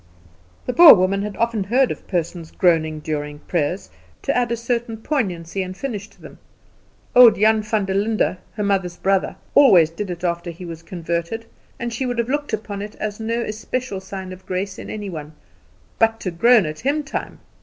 The Boer woman had often heard of persons groaning during prayers, to add a certain poignancy and finish to them; old Jan Vanderlinde, her mother's brother, always did it after he was converted; and she would have looked upon it as no especial sign of grace in any one; but to groan at hymn time!